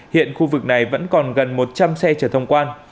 hiện khu vực này vẫn còn gần một trăm linh xe chở thông quan